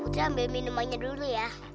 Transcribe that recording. kita ambil minumannya dulu ya